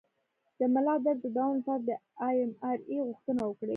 د ملا درد د دوام لپاره د ایم آر آی غوښتنه وکړئ